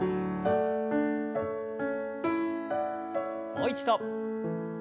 もう一度。